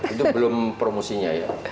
itu belum promosinya ya